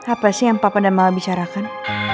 apa sih yang papa dan mama bicarakan